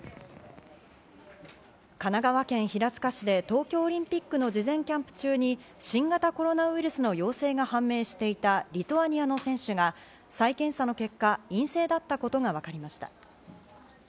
神奈川県平塚市で東京オリンピックの事前キャンプ中に新型コロナウイルスの陽性が判明していたリトアニアの選手が再検査の結果、陰性だったことがわかりました。